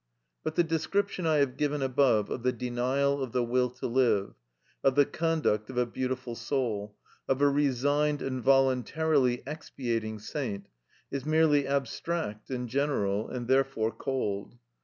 But the description I have given above of the denial of the will to live, of the conduct of a beautiful soul, of a resigned and voluntarily expiating saint, is merely abstract and general, and therefore cold.